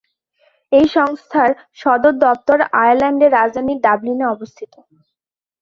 এই সংস্থার সদর দপ্তর আয়ারল্যান্ডের রাজধানী ডাবলিনে অবস্থিত।